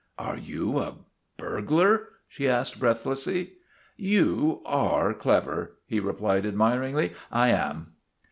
'Are you a burglar?' she asked breathlessly. " You are clever," he replied admiringly. " I am.'